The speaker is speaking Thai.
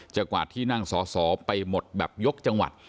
จากกว่าที่นั่งสอไปหมดแบบยกจังหวัด